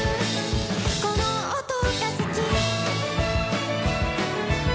「この音が好き」